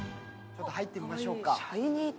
入ってみましょうか。